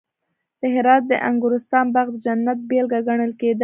د هرات د انګورستان باغ د جنت بېلګه ګڼل کېده